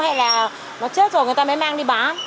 hay là nó chết rồi người ta mới mang đi bán